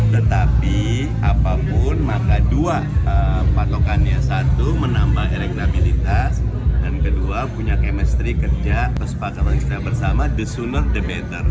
tetapi apapun maka dua patokannya satu menambah elektabilitas dan kedua punya chemistry kerja kesepakatan kita bersama the sooner the better